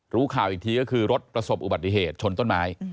รู้ข่าวอีกทีก็คือรถประสบอุบัติเหตุชนต้นไม้